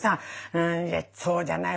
うんいやそうじゃない。